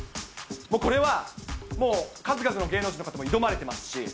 これはもう、数々の芸能人の方も挑まれてますし。